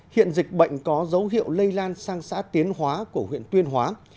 hiện dịch bệnh có dấu hiệu lây lan sang xã tiến hóa của huyện tuyên hóa